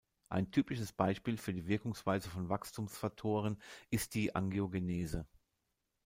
Ein typisches Beispiel für die Wirkungsweise von Wachstumsfaktoren ist die Angiogenese.